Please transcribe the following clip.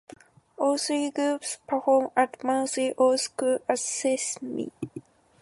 All three groups perform at monthly all-school assemblies.